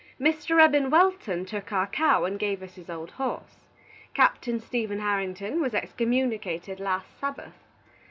Mr. Eben Welton took our cow and give us his old horse. Captain Stephen Harrington was excommunicated last Sabbath.